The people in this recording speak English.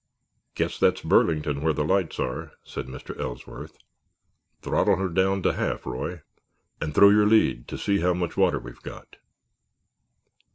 "Guess that's Burlington where the lights are," said Mr. Ellsworth. "Throttle her down to half, Roy, and throw your lead to see how much water we've got."